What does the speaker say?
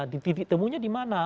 ditemunya di mana